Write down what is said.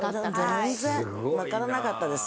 全然わからなかったです。